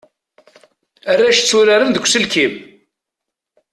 Arac tturaren deg uselkim.